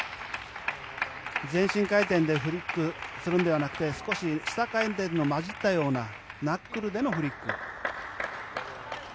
全身回転でフリックするのではなくて少し下回転の混じったようなナックルでのフリック。